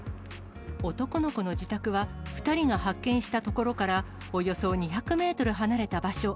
男の子の自宅は、２人が発見した所からおよそ２００メートル離れた場所。